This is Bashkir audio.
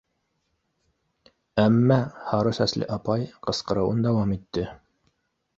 Әммә һары сәсле апай ҡысҡырыуын дауам итте: